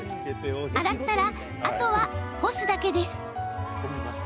洗ったら、あとは干すだけです。